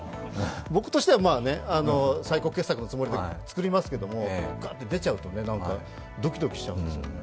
僕としては最高傑作のつもりで作りますけど、ガッて出ちゃうとね、ドキドキしちゃうんですよ。